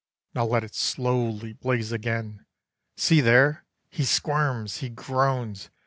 Now let it slowly blaze again. See there! He squirms! He groans!